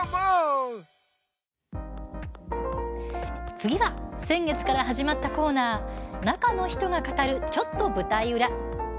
次は先月から始まったコーナー「中の人が語るちょっと舞台裏」。